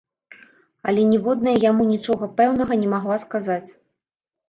Але ніводная яму нічога пэўнага не магла сказаць.